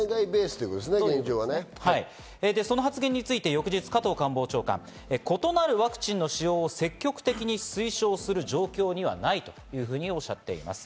それで、その発言について翌日、加藤官房長官は異なるワクチンの使用を積極的に推奨する状況にはないというふうにおっしゃっています。